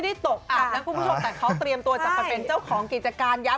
ได้ครับคุณครับ